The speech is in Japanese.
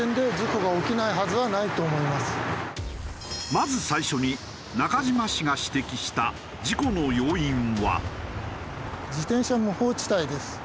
まず最初に中島氏が指摘した事故の要因は。